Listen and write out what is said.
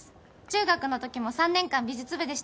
中学のときも３年間美術部でした。